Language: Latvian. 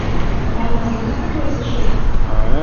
Vai mamma zina, ka tu esi šeit?